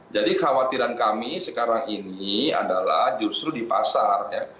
jadi khawatiran kami sekarang ini adalah justru di pasar ya